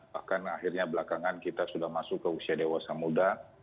bahkan akhirnya belakangan kita sudah masuk ke usia dewasa muda